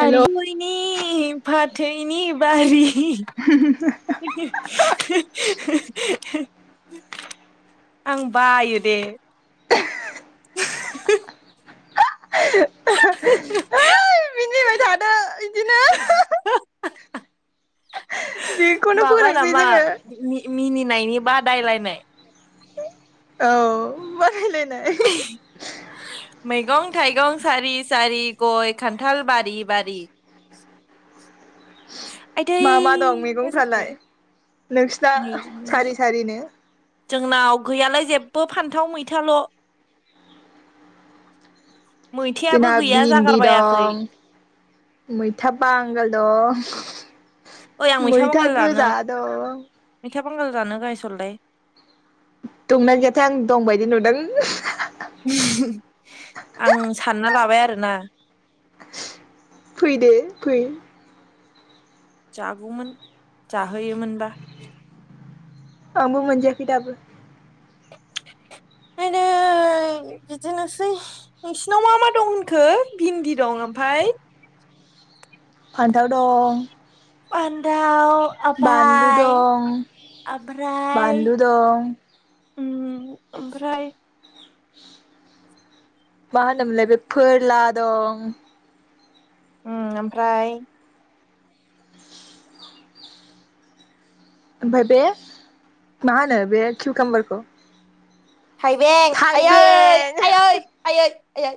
हेल' ओइ [unintelligible] फाथैनि बारि [unintelligible] आं बायो दे [inaudible] [inaudible] मिनिबाय थादो इदिनो बेखौनो माबा फोरोंसै नामा जोङो मि-मिनि होननायनि बादायलायनाय औ बादायलाय नाय मैगं थाइगं सारि सारि गय खान्थाल बारि बारि आयदै मा मा दं मा जाखो मैगंफ्रालाय बे नोंसिना सारि सारिनो? जोंनाव गैयालाय जेबो फान्थाव मैथाल'। मैथायाबो जोंहा गैया भिन्दि जागारबायाखै दं मैथा बांगाल दं ओइ आं मैथा बांगाल जानो गोजा दं मैथा बांगाल जानो गायसलदाय दंना गैयाथाय आं दंबायदि नुदों। आं सानना लाबाय आरोना फै दो फै। जागौमोन जाहोयोमोनबा? आंबो मोनजायाखै दाबो। आयदै बिदिनोसै नोंसिनाव मा मा दं होनखो? भिन्दि दं ओमफ्राय फान्थाव दं बानदाव बानलु आभाय दं ओमफ्राय बानलु दं ओम ओमफ्राय मा होनोमोनलाय बे फोरला दं उम ओमफ्राय ओमफाय बे मा होनो बे किउकाम्बारखौ? थाइबें आयै थाइबें आयै आयै ए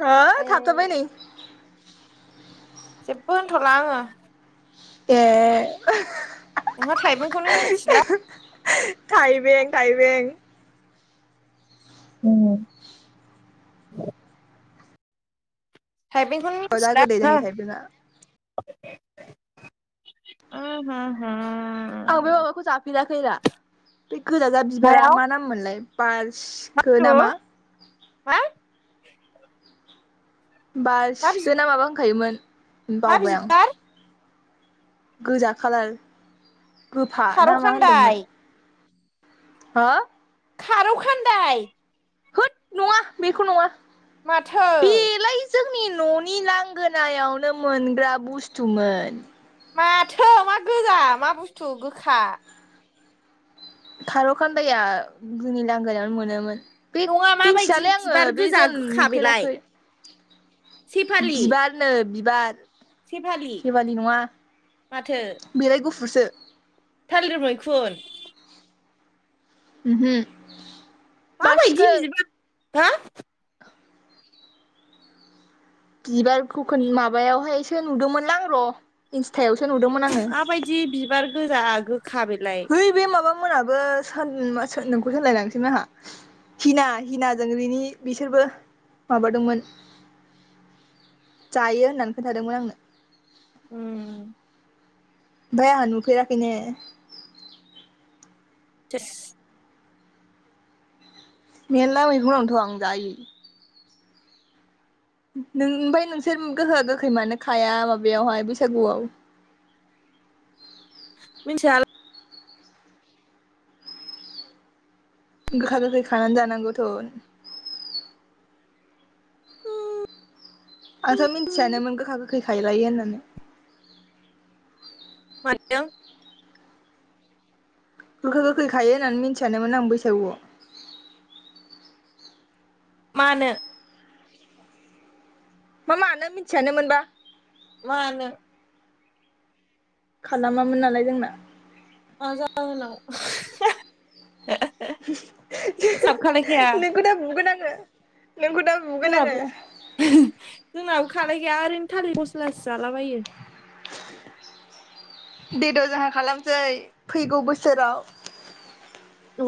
हो आयै थाबथाबाय नै जेबो होनथ'ला आङो ए नोंहा थाइबेंखौ नो मिथिला थाइबें थाइबें उम थाइबेंखौनो जा मिथिला गोदै दिनै थाइबेंआ नोङो [unintelligible] आं बै माबाखौ जाफेराखैदा बे गोजाजा बिबारा मायाव मा नाम मोनलाय? बार मा बुसथु? हा बार मा बि सिखोन ना माबा होनखायोमोन मा बावबाय आं बिबार गोजा खालार गोफा खारौ ना मा होनदोंमोन खान्दाय हा खार' खान्दाय होद नङा बेखौ नङा माथो बेलाय जोंनि न'नि लांगोनायावनो मोनग्रा बुस्थुमोन माथो मा गोजा मा बुस्थु गोखा खार' खान्दाया जोंनि लांगोनायावनो मोनोमोन बे नङा माबायदि मिन्थियालै आङो बिबार बे गोजा जोन गोखा बेलाय नुफेराखै सेफालि बिबारनो बिबार सेफालि हेवालि नङा माथो बेलाय गुफु फुरसो थालिर मैखुन उमहो माबायदि बासिखो [unintelligible] बिबार खौ खोन माबायावहायसो नुदोंमोनलांं र' इनस माबायदि बिबार गोजा गो है बे माबा मोनाबो सा नोंखौ होनलायलांसैमोन आंहा हिना होनायजों रिमि बिसोरबो माबादोंमोन जायो होननानै खोन्थादोंमोन आंनो उम ओमफ्आंहा नुफेराखै नो थोस मेरला मैगं दंथ' आं जायो नों ओमफाय नोंसोर गोखा गोखै मानो खाया माबायावहाय बैसागुआव मिन्थिया गोखा गोखै खानानै जानांगौथ' आंथ' मिथियानोमोन गोखा गोख खै खालायो होननानै [unintelligible] गोखा गोखै खायो होननानै मिथियानमोन आं बैसागुआव मानो मा मानो मिथियानोमोनबा मानो खालामामोन नालाय जोंना मा जाहोनाव हिसाब खालायखाया नोंखौ दा बुगोन आङो नोंखौ दा बुगोन आङो जोंनाबो जोंनाबो खालायखाया ओरैनो थालिर फस्लासो जालाबायो देद' जोंहा खालामसै फैगौ बोसोराव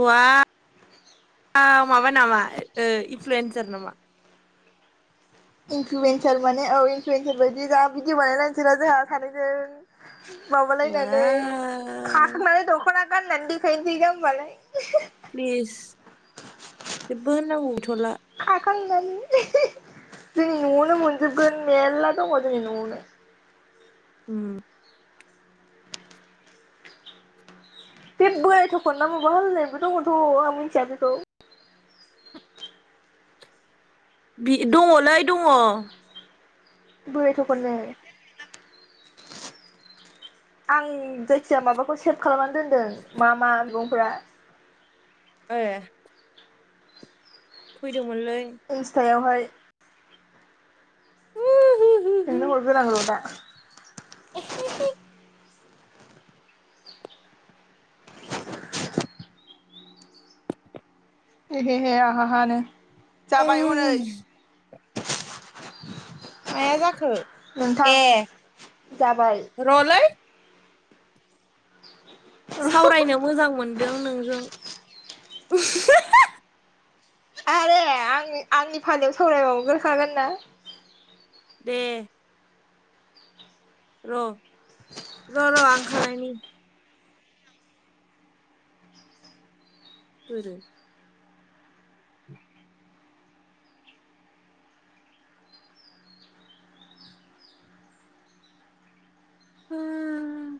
वाव माबा नामा इनफ्लुयन्सार नामा इनफ्लुयेन्सार माने औ इनफ्लुयेन्सार बायदि जा भिदिअ बानायलायनोसै रा जोंहा सानैजों माबालायनानै वाव खाखांनानै दख'ना गाननानै देखायनोसै जामबालाय प्लिस जेबो होननांगौ गैथ'ला खाखांनानै जोंनि न'यावनो मोनजोबगोन मेरला दंङ जोंनि न'यावनो उम बे बोरायथखन ना माबा होनलायनायबो दङथ' आं मिथिया बेखौ बि दङलै दङ बोराय थख'न नो आं जायखिजया माबाखौ सेभ खालामनानै दोनदों मा मा मैगंफोरा ए फैदो इनस्थायावहाय [inaudible] नोंनो हरगोन आं र' दा एहेहे आहाहानो जाबाय हनै माया जाखो नोंथां ए जाबाय र'लै सावरायनो मोजां मोनदों नों? [unintelligible] आरोे आं आंनि फालायाव सावरायबावग्रोखागोन ना दे। र' र' र' आं खालायनि बोरो हुम